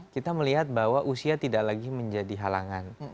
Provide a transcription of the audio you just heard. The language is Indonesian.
kita melihat bahwa usia tidak lagi menjadi halangan